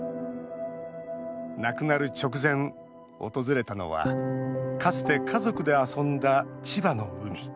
亡くなる直前、訪れたのはかつて家族で遊んだ千葉の海。